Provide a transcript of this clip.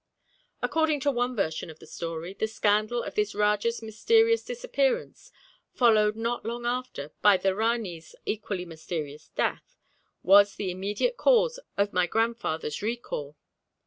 According to one version of the story, the scandal of this Rajah's mysterious disappearance, followed not long after by the Ranee's equally mysterious death, was the immediate cause of my grandfather's recall.